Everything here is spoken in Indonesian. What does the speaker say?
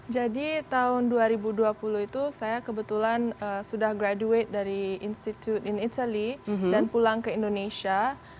jadi tahun dua ribu dua puluh itu saya kebetulan sudah graduate dari institute in italy dan pulang ke indonesia